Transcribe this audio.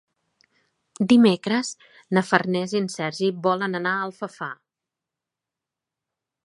Dimecres na Farners i en Sergi volen anar a Alfafar.